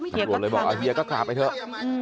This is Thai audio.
ตำรวจเลยบอกเฮียก็กลับไปเถอะ